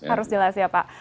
harus jelas ya pak